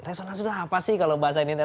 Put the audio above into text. resonansi itu apa sih kalau bahasa indonesia